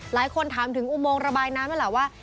หลายคนถามถึงอุโมงระบายน้ำนั่นแหละว่า